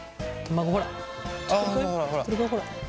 あほらほらほら。